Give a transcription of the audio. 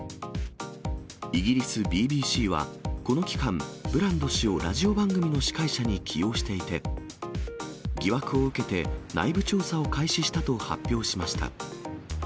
イギリスＢＢＣは、この期間、ブランド氏をラジオ番組の司会者に起用していて、疑惑を受けて、内部調査を開始したと発表しました。